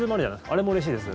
あれもうれしいです。